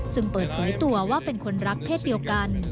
ซึ่งเปิดเผยตัวว่าเป็นคนรักเพศเดียวกัน